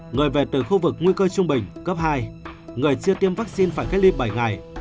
người về từ khu vực nguy cơ trung bình cấp hai người chưa tiêm vaccine phải cách ly bảy ngày